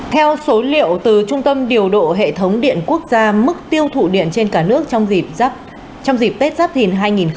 theo số liệu từ trung tâm điều độ hệ thống điện quốc gia mức tiêu thụ điện trên cả nước trong dịp tết giáp thìn hai nghìn hai mươi bốn